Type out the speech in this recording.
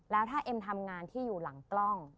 แล้วถ้าเอ็มทำงานที่อยู่หลังกล้อง